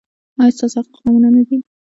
ایا ستاسو اخلاق نمونه نه دي؟